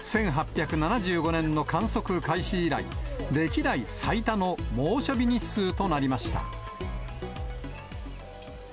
１８７５年の観測開始以来、歴代最多の猛暑日日数となりました。